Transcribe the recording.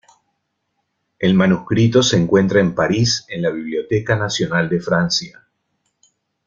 El manuscrito se encuentra en París, en la Biblioteca Nacional de Francia.